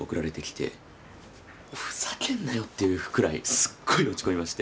ふざけんなよというぐらいすっごい落ち込みまして。